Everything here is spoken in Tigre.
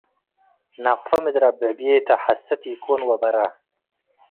ነቅፋ ምድር አብዕብዬተ - ሐሰት ኢኮን ወበረ